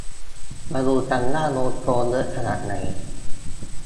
มาดูกันว่า โดนโกงเยอะขนาดไหน